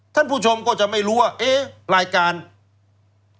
ท่านผู้ชมก็จะไม่รู้ว่ารายการชูวิตตีแสกหน้า